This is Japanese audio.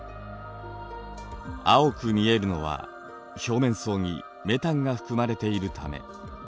青く見えるのは表面層にメタンが含まれているため。